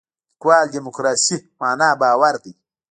لیکوال دیموکراسي معنا باور دی.